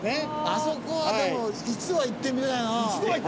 あそこはでも一度は行ってみたいな。